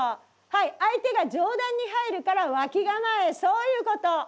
はい相手が上段に入るから脇構えそういうこと。